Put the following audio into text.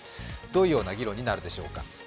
どういうような議論になるでしょうか。